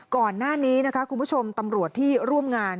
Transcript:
ก่อนหน้านี้นะคะคุณผู้ชมตำรวจที่ร่วมงาน